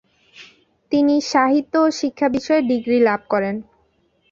তিনি সাহিত্য ও শিক্ষা বিষয়ে ডিগ্রি লাভ করেন।